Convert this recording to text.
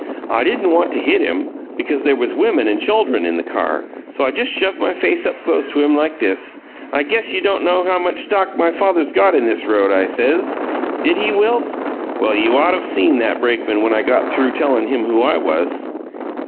"I didn't want to hit him, because there was women and chuldren in the car, so I just shoved my face up close to him, like this. 'I guess you don't know how much stock my father's got in this road,' I says. Did he wilt? Well, you ought of seen that brakeman when I got through tellin' him who I was!"